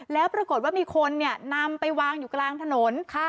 แล้วปรากฏว่ามีคนนำไปวางอยู่กลางถนน